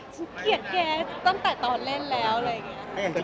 เกลียดแกตั้งแต่ตอนเล่นแล้วอะไรอย่างนี้